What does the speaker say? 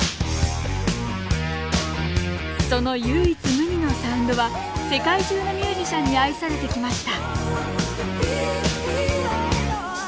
その唯一無二のサウンドは世界中のミュージシャンに愛されてきました